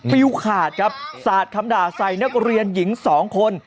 ฟิวขาดครับสาดคำด่าใส่นักเรียนหญิง๒คน